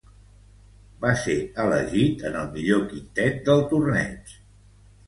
Va ser elegit en el millor quintet del torneig.